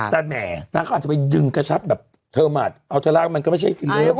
แต่หน้าเขาอาจจะไปดึงกระชับเทอร็ากมันก็อยู่ไม่อย่างเงียบ